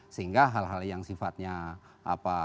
sehingga hal hal yang sifatnya apa